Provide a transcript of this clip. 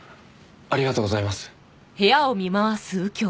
ありがとうございます。